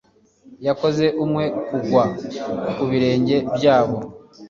Yakoze umwe kugwa ku birenge byabo